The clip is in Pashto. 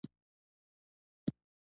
بیا یې په ورین تندي وویل، ښه بخت ولرې.